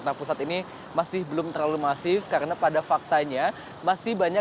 karena pusat ini masih belum terlalu masif karena pada faktanya